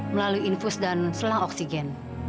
melalui infus dan selah oksigen